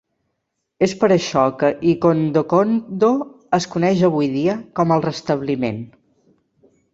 És per això que Ikondokondo es coneix avui dia com a "el Restabliment".